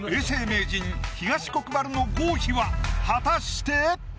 名人東国原の合否は果たして？